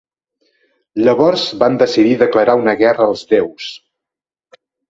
Llavors van decidir declarar una guerra als déus.